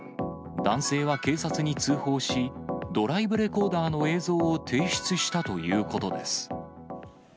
男性は警察に通報し、ドライブレコーダーの映像を提出したということです。